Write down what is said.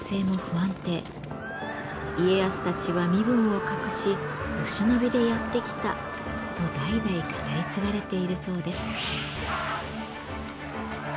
「家康たちは身分を隠しお忍びでやって来た」と代々語り継がれているそうです。